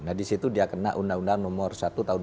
nah disitu dia kena undang undang nomor satu tahun empat puluh enam